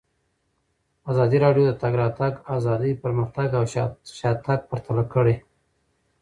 ازادي راډیو د د تګ راتګ ازادي پرمختګ او شاتګ پرتله کړی.